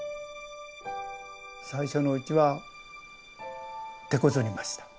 最初のうちはてこずりました。